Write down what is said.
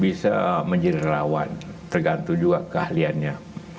bisa menjadi relawan tergantung juga keahliannya